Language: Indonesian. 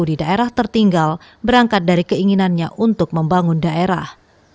di daerah tertinggal berangkat dari keinginannya untuk membangun daerah